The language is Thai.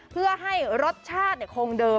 เพื่อให้รสชาติคงเดิม